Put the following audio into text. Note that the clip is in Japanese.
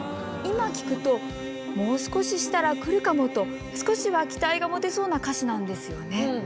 今聴くともう少ししたら来るかもと少しは期待が持てそうな歌詞なんですよね。